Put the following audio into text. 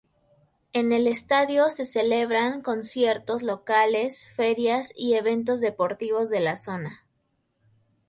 En el estadio se celebran conciertos locales, ferias y eventos deportivos de la zona.